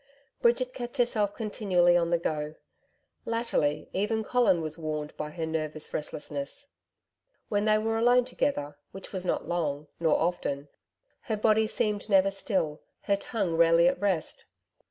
Bridget kept herself continually on the go. Latterly, even Colin was warned by her nervous restlessness. When they were alone together, which was not long, nor often, her body seemed never still, her tongue rarely at rest.